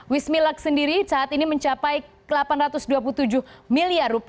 wismilak sendiri saat ini mencapai rp delapan ratus dua puluh tujuh miliar